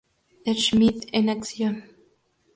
Schmidt en acción.